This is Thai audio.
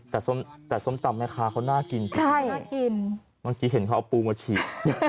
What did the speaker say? แต่ส้มแต่ส้มตำแม่ค้าเขาน่ากินใช่น่ากินบางทีเห็นเขาเอาปูมาฉีก